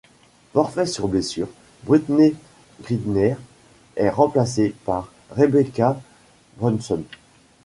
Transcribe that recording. Forfait sur blessure, Brittney Griner est remplacée par Rebekkah Brunson.